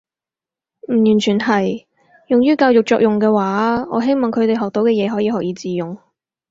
唔完全係。用於教育作用嘅話，我希望佢哋學到嘅嘢可以學以致用